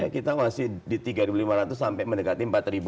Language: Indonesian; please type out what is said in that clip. kita masih di tiga lima ratus sampai mendekati empat